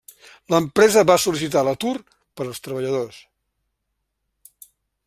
L'empresa va sol·licitar l'atur per als treballadors.